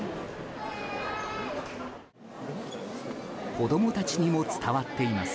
子供たちにも伝わっています。